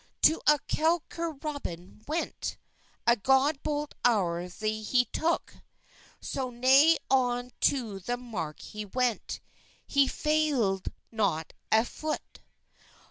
To a quequer Roben went, A god bolt owthe he toke; So ney on to the marke he went, He fayled not a fothe.